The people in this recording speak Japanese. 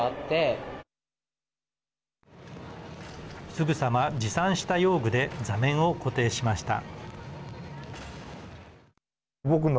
すぐさま持参した用具で座面を固定しました。